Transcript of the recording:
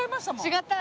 違った？